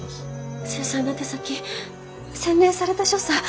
繊細な手先洗練された所作。